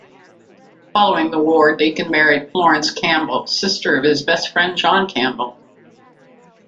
Following the war, Deacon married Florence Campbell, sister of his best friend John Campbell.